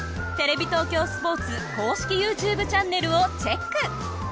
テレビ東京スポーツ公式ＹｏｕＴｕｂｅチャンネルをチェック。